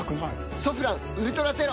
「ソフランウルトラゼロ」